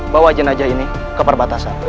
bawa jenajah ini ke perbatasan